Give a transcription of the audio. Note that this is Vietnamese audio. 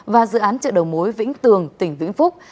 và dự án chợ đầu mối vĩnh tường tỉnh vĩnh phúc